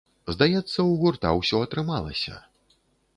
Здаецца, у гурта ўсё атрымалася!